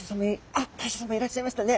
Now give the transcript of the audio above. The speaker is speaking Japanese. あっ大将さまいらっしゃいましたね。